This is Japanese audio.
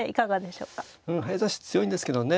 早指し強いんですけどね。